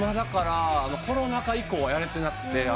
コロナ禍以降はやれてなくて。